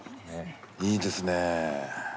いいですねー。